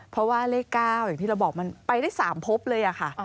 เพราะว่าเลข๙อย่างที่เราบอกมันไปได้๓พบเลยค่ะ